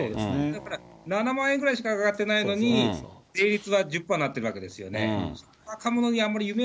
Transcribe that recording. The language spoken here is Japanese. だから７万円ぐらいしか上がってないのに、税率は１０％になってるわけですよね。